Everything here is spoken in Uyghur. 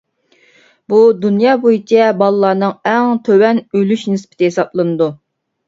بۇ، دۇنيا بويىچە بالىلارنىڭ ئەڭ تۆۋەن ئۆلۈش نىسبىتى ھېسابلىنىدۇ.